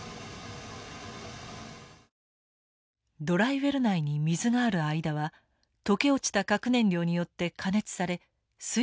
ドライウェル内に水がある間は溶け落ちた核燃料によって加熱され水蒸気が発生。